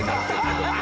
ハハハハ！